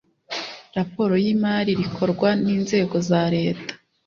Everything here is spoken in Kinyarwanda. raporo y imari rikorwa n inzego za leta